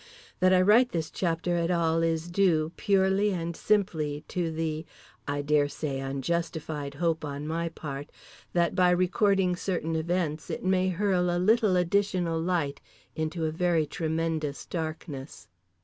That I write this chapter at all is due, purely and simply, to the, I daresay, unjustified hope on my part that—by recording certain events—it may hurl a little additional light into a very tremendous darkness….